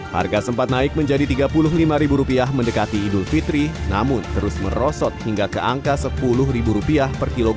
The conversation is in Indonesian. harga sempat naik menjadi rp tiga puluh lima mendekati idul fitri namun terus merosot hingga ke angka rp sepuluh